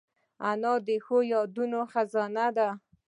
انا د ښو یادونو خزانه ده